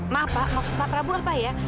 maaf pak maksud pak prabowo apa ya